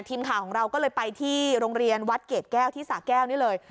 ทีมข่าวของเราก็เลยไปที่โรงเรียนวัดเกรดแก้วที่สาแก้วนี่เลย